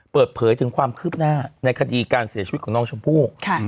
เปิดเผยถึงความคืบหน้าในคดีการเสียชีวิตของน้องชมพู่